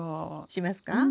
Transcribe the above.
しますか？